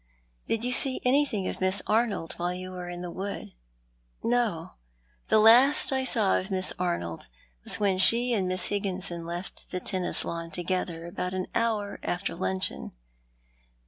" Did you see anything of Miss Arnold while you were about in the wood ?" "No. The last I saw of Miss Arnold was when she and Miss Higginson left the tennis lawn together about an hour after luncheon.